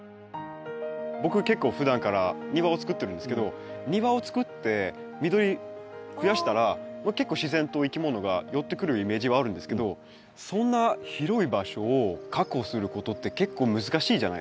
僕結構ふだんから庭を作ってるんですけど庭を作って緑増やしたら結構自然といきものが寄ってくるイメージはあるんですけどそんな広い場所を確保することって結構難しいじゃないですか。